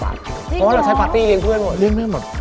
จริงหรือเรายังใช้ปาร์ตี้เลี้ยงเพื่อนหมดเลี้ยงเงินหมด